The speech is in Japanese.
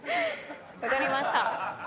分かりました。